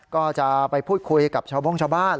ก็จะไปพูดคุยกับชาวโบ้งชาวบ้าน